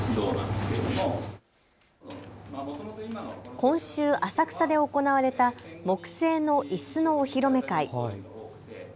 今週浅草で行われた木製のいすのお披露目会。